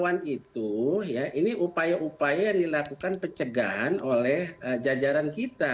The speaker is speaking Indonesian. kalau yang di surabaya itu ya ini upaya upaya yang dilakukan pencegahan oleh jajaran kita